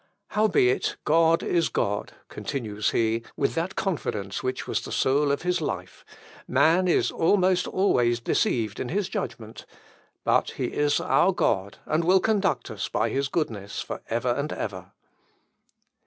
Howbeit God is God," continues he, with that confidence which was the soul of his life, "man is almost always deceived in his judgment; but he is our God, and will conduct us by his goodness for ever and ever."